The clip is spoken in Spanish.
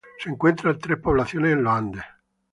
Se encuentran tres poblaciones en los Andes.